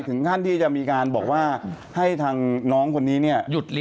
ถึงขั้นที่จะมีการบอกว่าให้ทางน้องคนนี้